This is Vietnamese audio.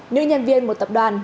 nữ nhân viên một tập đoàn